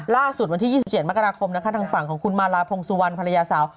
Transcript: วันที่๒๗มกราคมนะคะทางฝั่งของคุณมาลาพงสุวรรณภรรยาสาว